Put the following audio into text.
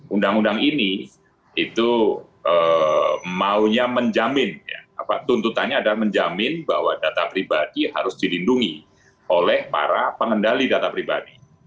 undang undang ini itu maunya menjamin tuntutannya adalah menjamin bahwa data pribadi harus dilindungi oleh para pengendali data pribadi